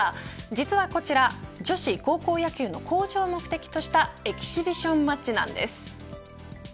実はこちら、女子高校野球の向上を目的としたエキシビションマッチなんです。